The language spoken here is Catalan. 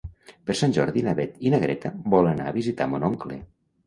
Per Sant Jordi na Beth i na Greta volen anar a visitar mon oncle.